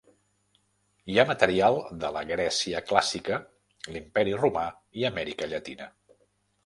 Hi ha material de la Grècia clàssica, l'Imperi Romà i Amèrica Llatina.